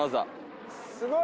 すごい。